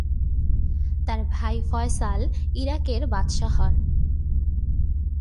তার ভাই ফয়সাল ইরাকের বাদশাহ হন।